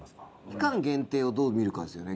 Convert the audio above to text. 期間限定をどう見るかですよね。